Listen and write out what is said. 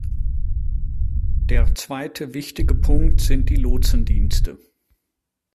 Der zweite wichtige Punkt sind die Lotsendienste.